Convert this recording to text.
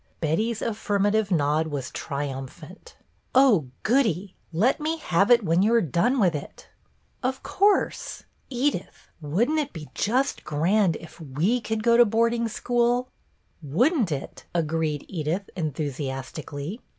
Betty's affirmative nod was triumphant. " Oh, goody ! Let me have it when you are done with it }"" Of course ! Edith, would n't it be just grand if we could go to boarding school ?" "Wouldn't it! agreed Edith, enthusias tically.